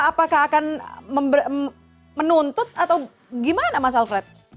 apakah akan menuntut atau gimana mas alfred